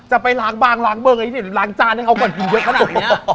จะไปล้างบางล้างเบิ้ลล้างจานนึงเอาก่อนกินเยอะขนาดนี้